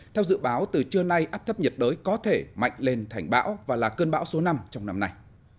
theo dự báo từ trưa nay áp thấp nhiệt đới có thể mạnh lên thành bão và là cơn bão số năm trong năm nay